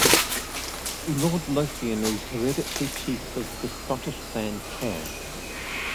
Lord Lothian is hereditary Chief of the Scottish Clan Kerr.